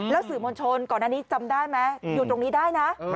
สื่อมวลชนก่อนอันนี้จำได้ไหมอยู่ตรงนี้ได้นะ